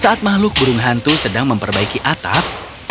sementara makhluk burung hantu dalam perbaikan atap